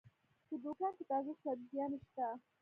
په دوکان کې تازه سبزيانې شته.